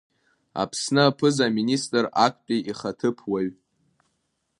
Аԥсны аԥыза-министр актәи ихаҭыԥуаҩ…